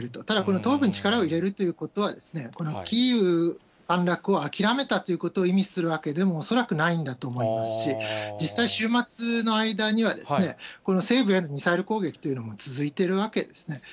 ただ東部に力を入れるということは、キーウ陥落を諦めたということを意味するわけでも恐らくないんだと思いますし、実際、週末の間には、西部へのミサイル攻撃というのも続いているわけですね。